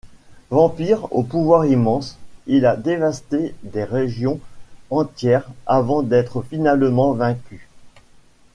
Vampire au pouvoir immense, il a dévasté des régions entière avant d'être finalement vaincu.